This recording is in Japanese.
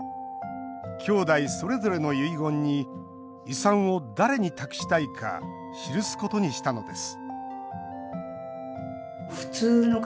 きょうだいそれぞれの遺言に遺産を誰に託したいか記すことにしたのです